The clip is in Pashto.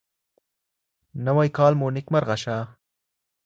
نوی کال مو نيکمرغه شه.